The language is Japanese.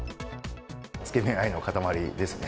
つけ麺愛の塊ですね。